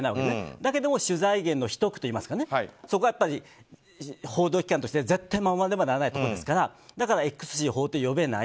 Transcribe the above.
だけれども取材源の秘匿そこは報道機関としては絶対に守らなければいけないところですからだからＸ氏を法廷に呼べない。